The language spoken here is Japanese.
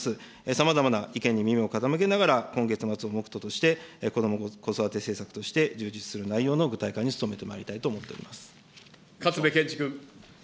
さまざまな意見に耳を傾けながら、今月末を目途として、こども・子育て施策として、充実する内容の具体化に努めてまいり勝部賢志君。